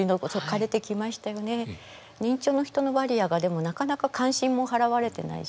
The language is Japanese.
認知症の人のバリアがでもなかなか関心も払われてないし